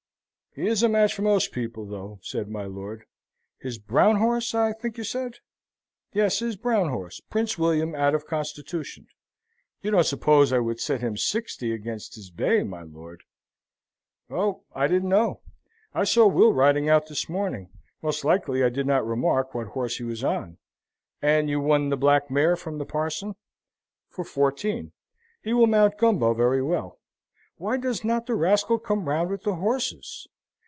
"He is a match for most people, though," said my lord. "His brown horse, I think you said?" "Yes. His brown horse Prince William, out of Constitution. You don't suppose I would set him sixty against his bay, my lord?" "Oh, I didn't know. I saw Will riding out this morning; most likely I did not remark what horse he was on. And you won the black mare from the parson?" "For fourteen. He will mount Gumbo very well. Why does not the rascal come round with the horses?"